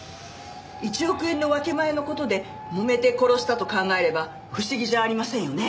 １億円の分け前の事でもめて殺したと考えれば不思議じゃありませんよね。